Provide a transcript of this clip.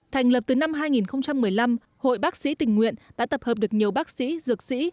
thành lập từ năm hai nghìn một mươi năm hội bác sĩ tình nguyện đã tập hợp được nhiều bác sĩ dược sĩ